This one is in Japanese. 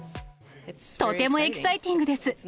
とてもエキサイティングです。